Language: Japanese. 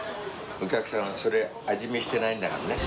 お客さんそれ味見してないんだからね。